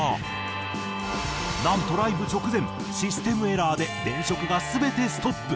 なんとライブ直前システムエラーで電飾が全てストップ！